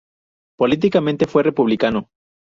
Políticamente fue republicano.